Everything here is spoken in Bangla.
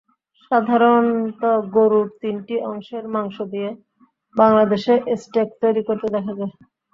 সাধারণত গরুর তিনটি অংশের মাংস দিয়ে বাংলাদেশে স্টেক তৈরি করতে দেখা যায়।